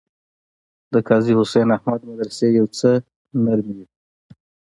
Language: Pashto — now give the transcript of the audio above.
د قاضي حسین احمد مدرسې یو څه نرمې وې.